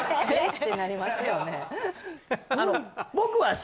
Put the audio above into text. ってなりますよね